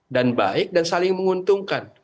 dan baik dan saling menguntungkan